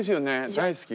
大好き。